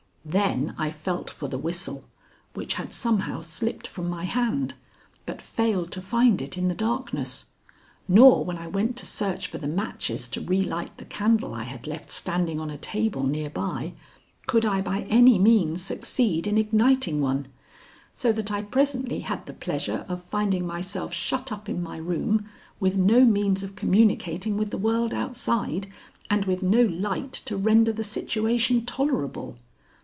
Then I felt for the whistle, which had somehow slipped from my hand, but failed to find it in the darkness, nor when I went to search for the matches to relight the candle I had left standing on a table near by, could I by any means succeed in igniting one, so that I presently had the pleasure of finding myself shut up in my room, with no means of communicating with the world outside and with no light to render the situation tolerable.